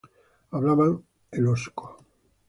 Hablaban el osco.